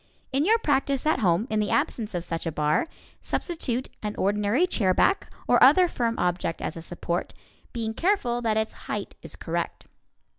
In your practice at home, in the absence of such a bar, substitute an ordinary chairback or other firm object as a support, being careful that its height is correct.